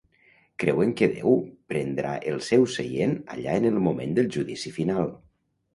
Creuen que Déu prendrà el seu seient allà en el moment del Judici Final.